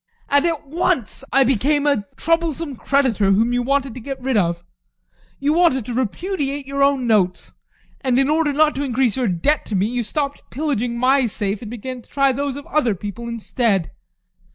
And at once I became a troublesome creditor whom you wanted to get rid of. You wanted to repudiate your own notes, and in order not to increase your debt to me, you stopped pillaging my safe and began to try those of other people instead.